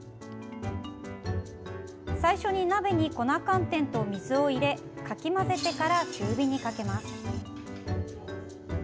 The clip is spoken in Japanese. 最初に、鍋に粉寒天と水を入れかき混ぜてから中火にかけます。